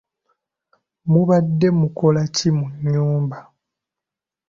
Mubadde mukula ki mu nnyumba?